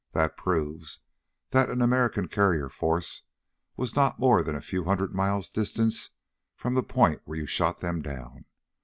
That proves that an American carrier force was not more than a few hundred miles distance from the point where you shot them down.